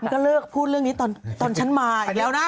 ก็เลิกพูดเรื่องนี้ตอนฉันมาอีกแล้วนะ